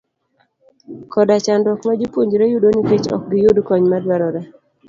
koda chandruok ma jopuonjre yudo nikech ok giyud kony madwarore.